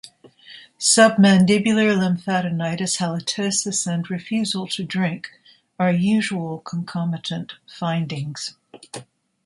Sub-mandibular lymphadenitis, halitosis and refusal to drink are usual concomitant findings.